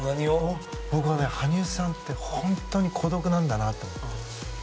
羽生さんって本当に孤独なんだなって。